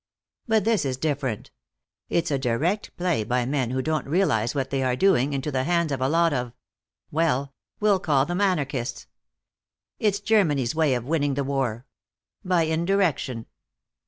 But this is different. It's a direct play by men who don't realize what they are doing, into the hands of a lot of well, we'll call them anarchists. It's Germany's way of winning the war. By indirection."